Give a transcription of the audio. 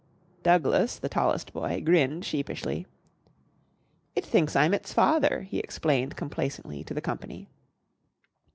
Douglas, the tallest boy, grinned sheepishly. "It thinks I'm its father," he explained complacently to the company.